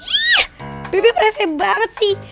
ih bebe perasa banget sih